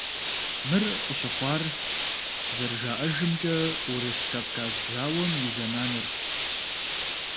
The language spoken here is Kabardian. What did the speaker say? Мыр къыщыхъуар, зэрыжаӀэжымкӀэ, Урыс-Кавказ зауэм и зэманырщ.